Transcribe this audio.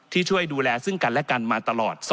ช่วยดูแลซึ่งกันและกันมาตลอด